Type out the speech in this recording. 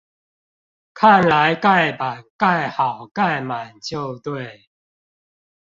看來蓋板蓋好蓋滿就對